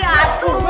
bawa buka buka